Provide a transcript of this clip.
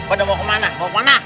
kau mau kemana